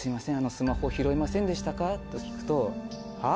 スマホ拾いませんでしたか？と聞くとはっ？